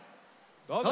どうぞ！